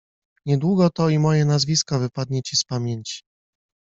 — Niedługo to i moje nazwisko wypadnie ci z pamięci!